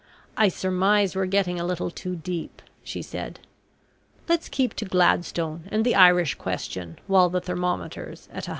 "I surmise we're getting a little too deep," she said. "Let's keep to Gladstone and the Irish Question while the thermometer's at 110."